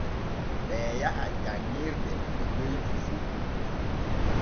Ɓee yaha janŋirde de weyti fu.